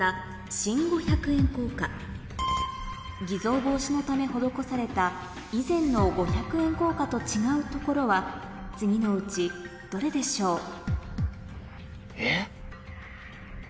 偽造防止のため施された以前の５００円硬貨と違うところは次のうちどれでしょう？